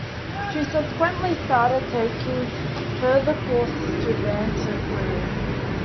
She subsequently started taking further courses to advance her career.